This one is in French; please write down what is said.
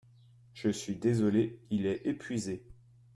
Je suis désolé, il est epuisé.